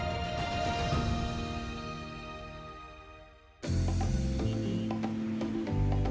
kedua di kabupaten bogor ini juga menyimpan potensi wisata alam